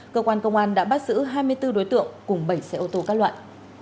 cơ quan công an đã bắt giữ hai mươi bốn đối tượng cùng bảy xe ô tô các loại